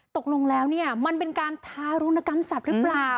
ตกลงแล้วเนี่ยมันเป็นการทารุณกรรมสัตว์หรือเปล่า